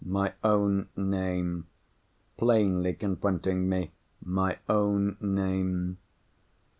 My own name. Plainly confronting me—my own name.